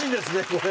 これ。